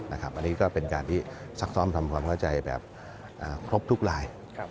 อันนี้ก็เป็นการที่ซักซ้อมทำความเข้าใจแบบครบทุกลาย